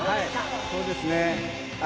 そうですね。